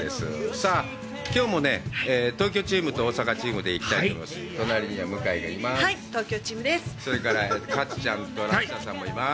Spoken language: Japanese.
さあ、きょうも東京チームと大阪チームでいきたいと思います。